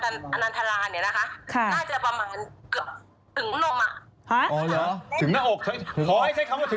เอากล้องหน่อย